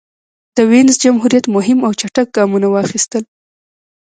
د وینز جمهوریت مهم او چټک ګامونه واخیستل.